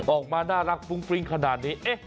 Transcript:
ออกมาน่ารักฟุ้งฟริ้งขนาดนี้